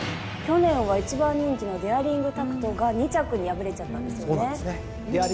去年は１番人気のデアリングタクトが２着に敗れちゃったんですよね。